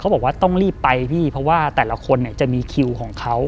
บอกว่าต้องรีบไปพี่เพราะว่าแต่ละคนเนี่ยจะมีคิวของเขา